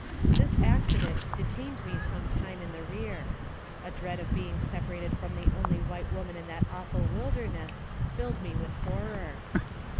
This accident detained me some time in the rear. A dread of being separated from the only white woman in that awful wilderness filled me with horror.